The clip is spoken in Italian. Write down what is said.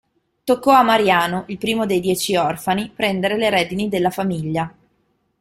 Toccò a Mariano, il primo dei dieci orfani, prendere le redini della famiglia.